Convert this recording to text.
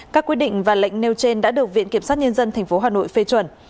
các quyết định và lệnh nêu trên đã được viện kiểm sát nhân dân tp hà nội phê chuẩn